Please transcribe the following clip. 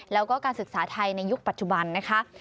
แล้วก็การศึกษาไทยในยุคปัจจุบันนะคะ